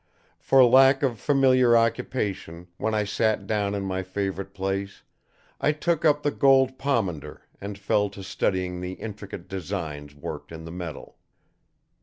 For lack of familiar occupation, when I sat down in my favorite place, I took up the gold pomander and fell to studying the intricate designs worked in the metal.